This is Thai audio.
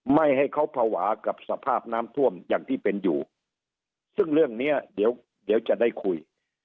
ไม่ให้เขาภาวะกับสภาพน้ำท่วมอย่างที่เป็นอยู่ซึ่งเรื่องเนี้ยเดี๋ยวเดี๋ยวจะได้คุย